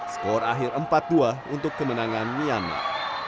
skor akhir empat dua untuk kemenangan myanmar